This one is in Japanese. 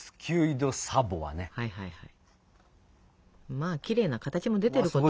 まあきれいな形も出てること。